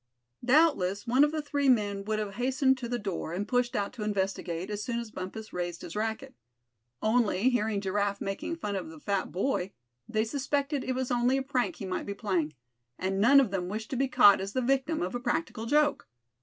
Doubtless one of the three men would have hastened to the door and pushed out to investigate, as soon as Bumpus raised his racket; only, hearing Giraffe making fun of the fat boy, they suspected it was only a prank he might be playing; and none of them wished to be caught as the victim of a practical joke.